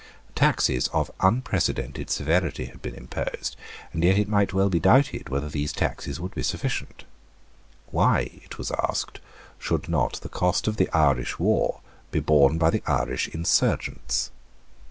Taxes of unprecedented severity had been imposed; and yet it might well be doubted whether these taxes would be sufficient. Why, it was asked, should not the cost of the Irish war be borne by the Irish insurgents?